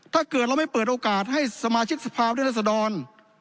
ถ้าเกิดเราไม่เปิดโอกาสให้สมาชิกสภาพุทธรัศดร